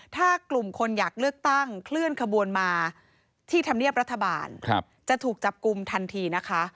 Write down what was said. ถ้ากลุ่มคนอยากเลือกตั้งเคลื่อนขบวนมาที่ธรรมเนียบรัฐบาลจะถูกจับกลุ่มทันทีนะคะ